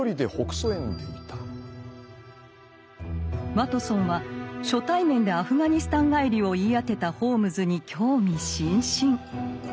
ワトソンは初対面でアフガニスタン帰りを言い当てたホームズに興味津々。